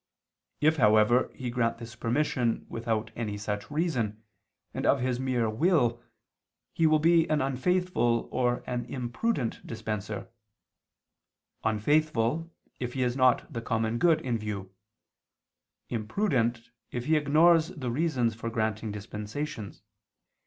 If however he grant this permission without any such reason, and of his mere will, he will be an unfaithful or an imprudent dispenser: unfaithful, if he has not the common good in view; imprudent, if he ignores the reasons for granting dispensations.